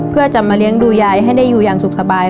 เพื่อจะมาเลี้ยงดูยายให้ได้อยู่อย่างสุขสบาย